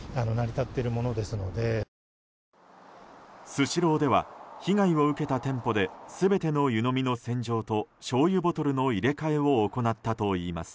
スシローでは被害を受けた店舗で全ての湯飲みの洗浄としょうゆボトルの入れ替えを行ったといいます。